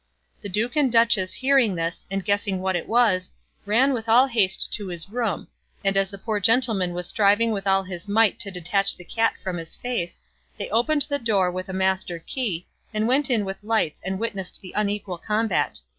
The duke and duchess hearing this, and guessing what it was, ran with all haste to his room, and as the poor gentleman was striving with all his might to detach the cat from his face, they opened the door with a master key and went in with lights and witnessed the unequal combat.